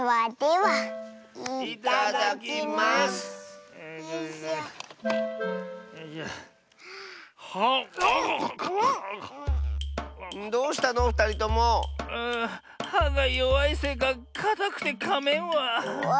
はがよわいせいかかたくてかめんわ。